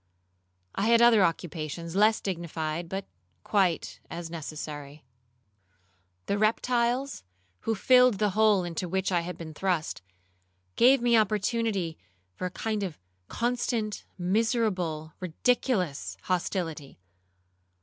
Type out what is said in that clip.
I had other occupations less dignified, but quite as necessary. The reptiles, who filled the hole into which I had been thrust, gave me opportunity for a kind of constant, miserable, ridiculous hostility.